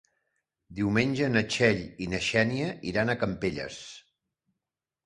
Diumenge na Txell i na Xènia iran a Campelles.